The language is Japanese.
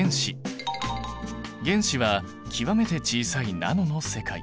原子は極めて小さいナノの世界。